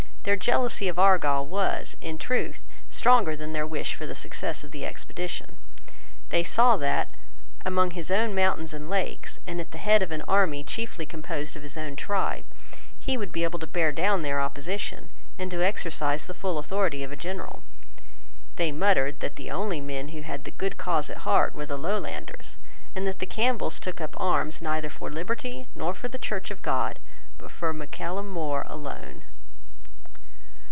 Their jealousy of Argyle was, in truth, stronger than their wish for the success of the expedition. They saw that, among his own mountains and lakes, and at the head of an army chiefly composed of his own tribe, he would be able to bear down their opposition, and to exercise the full authority of a General. They muttered that the only men who had the good cause at heart were the Lowlanders, and that the Campbells took up arms neither for liberty nor for the Church of God, but for Mac Callum More alone.